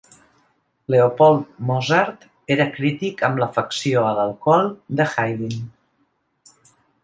Leopold Mozart era crític amb l'afecció a l'alcohol de Haydn.